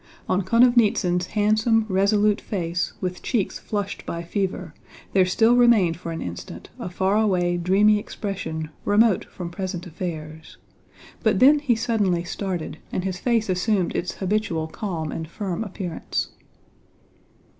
On Konovnítsyn's handsome, resolute face with cheeks flushed by fever, there still remained for an instant a faraway dreamy expression remote from present affairs, but then he suddenly started and his face assumed its habitual calm and firm appearance.